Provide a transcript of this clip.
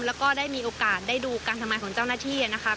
แล้วก็ได้มีโอกาสได้ดูการทำงานของเจ้าหน้าที่นะครับ